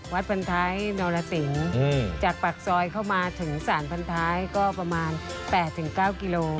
พันท้ายนรสิงจากปากซอยเข้ามาถึงสารพันท้ายก็ประมาณ๘๙กิโล